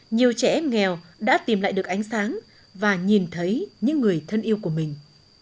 nhiều trẻ em nghèo đã tìm lại được ánh sáng và nhìn thấy những người thân yêu của mình